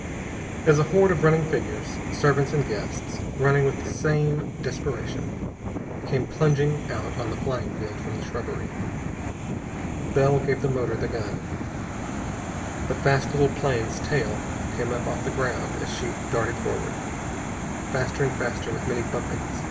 As a horde of running figures, servants and guests, running with the same desperation, came plunging out on the flying field from the shrubbery. Bell gave the motor the gun. The fast little plane's tail came up off the ground as she darted forward. Faster and faster, with many bumpings.